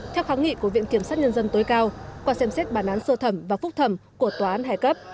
theo kháng nghị của viện kiểm sát nhân dân tối cao qua xem xét bản án sơ thẩm và phúc thẩm của tòa án hài cấp